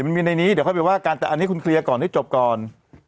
มันมีในนี้เดี๋ยวค่อยไปว่ากันแต่อันนี้คุณเคลียร์ก่อนให้จบก่อน